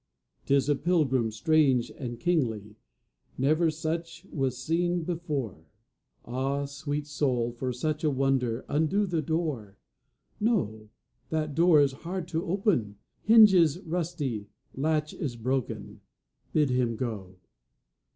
'Tis a pilgrim, strange and kingly, Never such was seen before; Ah, sweet soul, for such a wonder Undo the door. No, that door is hard to open; Hinges rusty, latch is broken; Bid Him go.